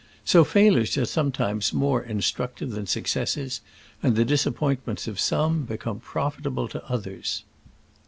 So fail ures are oftentimes more instructive than successes, and the disappointments of some become profitable to others.